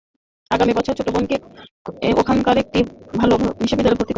আগামী বছর ছোট বোনকে ওখানকার একটি ভালো বিশ্ববিদ্যালয়ে ভর্তি করতে চাই।